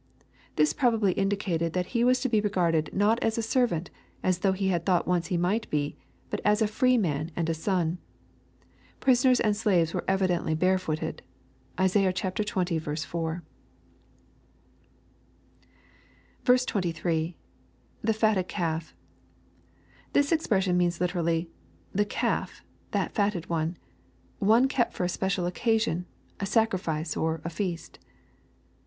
] This probably indicated that he was to be regarded not as a servant, as he had thought once he might be, but as a free man and a son. Prisoners and slaves were evidently barefooted. (Isa. xx. 4.) 23. — [The fatted calf.] This expression means literally, "the calf — that fatted one," — one kept for a special occasion, a sacrifice or a feast.